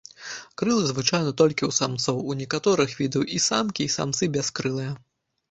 Крылы звычайна толькі ў самцоў, у некаторых відаў і самкі, і самцы бяскрылыя.